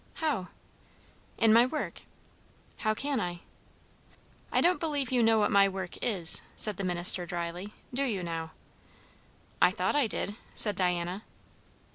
"How?" "In my work." "How can I?" "I don't believe you know what my work is," said the minister dryly. "Do you, now?" "I thought I did," said Diana.